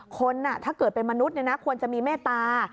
ถ้าเกิดเป็นมนุษย์ควรจะมีเมตตา